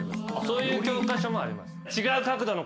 そういう教科書もあります。